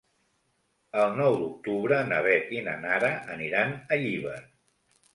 El nou d'octubre na Beth i na Nara aniran a Llíber.